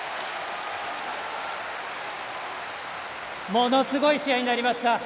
ものすごい試合になりました。